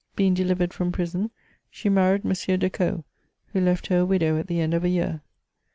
Being delivered from prison, she married M. de Caud, who left her a widow at the end of a year.